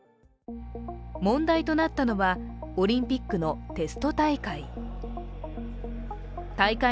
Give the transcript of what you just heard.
問題となったのは、オリンピックのテスト大会。